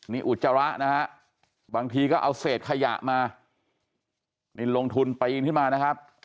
นี่อุจจาระนะฮะบางทีก็เอาเศษขยะมานี่ลงทุนปีนขึ้นมานะครับ